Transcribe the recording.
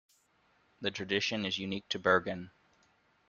The tradition is unique to Bergen.